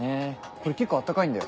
これ結構温かいんだよ。